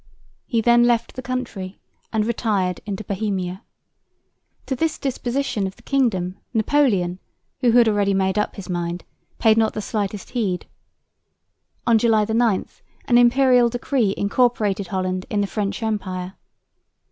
He then left the country, and retired into Bohemia. To this disposition of the kingdom Napoleon, who had already made up his mind, paid not the slightest heed. On July 9 an Imperial Decree incorporated Holland in the French empire.